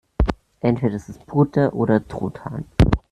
Entweder ist es Pute oder Truthahn.